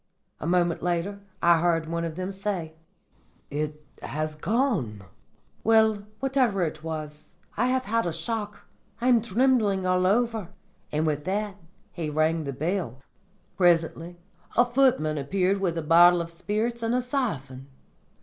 "A moment later I heard one of them say, 'It has gone. Well, whatever it was, I have had a shock. I am trembling all over.' And with that he rang the bell. "Presently a footman appeared with a bottle of spirits and a siphon.